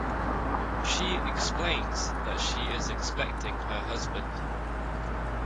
She explains that she is expecting her husband.